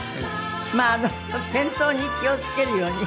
まあ転倒に気を付けるように。